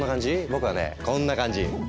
僕はねこんな感じ。